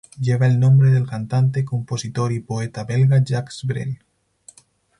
Lleva el nombre del cantante, compositor y poeta belga Jacques Brel.